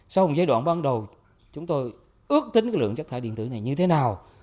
sau một giai đoạn ban đầu chúng tôi ước tính lượng chất thải điện tử này như thế nào